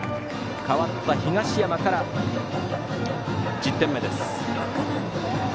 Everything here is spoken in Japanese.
代わった東山から、１０点目です。